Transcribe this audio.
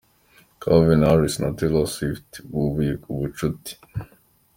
Calvin Harris na Taylor Swift bubuye ubucuti.